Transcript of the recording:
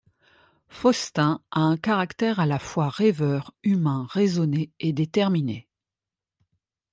Faustin a un caractère à la fois rêveur, humain, raisonné et déterminé.